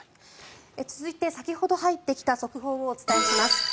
続いて、先ほど入ってきた速報をお伝えします。